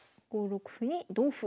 ５六歩に同歩。